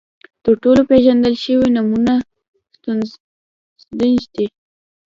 تر ټولو پېژندل شوې نمونه ستونهنج ده.